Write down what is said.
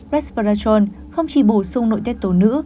resveratrol không chỉ bổ sung nội tiết tổ nữ